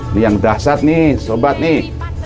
ini yang dasar nih sobat nih